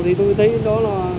thì tôi thấy đó là